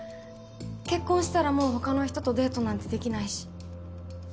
結婚したらもうほかの人とデートなんてできないし。